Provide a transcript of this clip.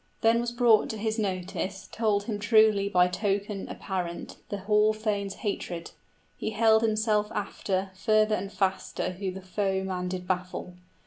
Then was brought to his notice Told him truly by token apparent The hall thane's hatred: he held himself after Further and faster who the foeman did baffle.